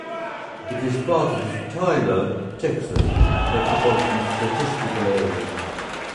It is part of the Tyler, Texas Metropolitan Statistical Area.